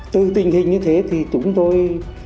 từ tình hình như thế thì chúng tôi